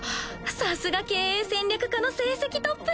さすが経営戦略科の成績トップ。